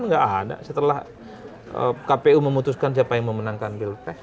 nggak ada setelah kpu memutuskan siapa yang memenangkan pilpres